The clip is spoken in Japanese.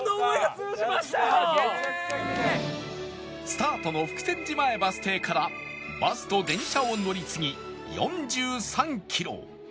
スタートの福泉寺前バス停からバスと電車を乗り継ぎ４３キロ